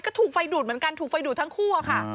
ก็ถูกไฟดูดเหมือนกันถูกไฟดูดทั้งคู่อะค่ะ